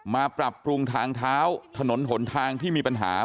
ปรับปรุงทางเท้าถนนหนทางที่มีปัญหา